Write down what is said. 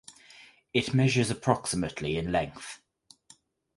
It measures approximately in length.